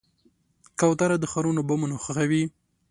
کوتره د ښارونو بامونه خوښوي.